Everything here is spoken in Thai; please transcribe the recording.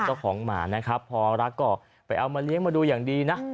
เจ้าของหมานะครับพอรักก็ไปเอามาเลี้ยงมาดูอย่างดีนะ